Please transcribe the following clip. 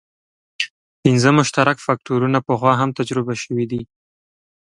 پنځه مشترک فکټورونه پخوا هم تجربه شوي.